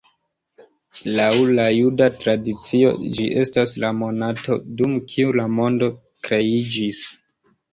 Laŭ la juda tradicio, ĝi estas la monato, dum kiu la mondo kreiĝis.